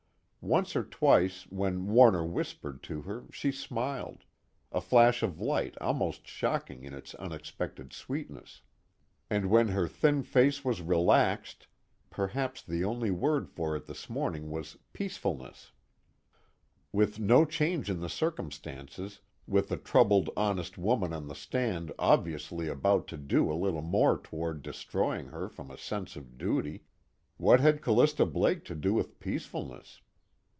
Once or twice when Warner whispered to her she smiled, a flash of light almost shocking in its unexpected sweetness. And when her thin face was relaxed, perhaps the only word for it this morning was peacefulness. With no change in the circumstances, with the troubled honest woman on the stand obviously about to do a little more toward destroying her from a sense of duty, what had Callista Blake to do with peacefulness?